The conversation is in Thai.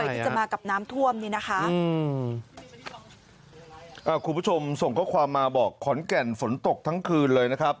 ที่จะมากับน้ำท่วมนี่นะคะอืมอ่าคุณผู้ชมส่งข้อความมาบอกขอนแก่นฝนตกทั้งคืนเลยนะครับ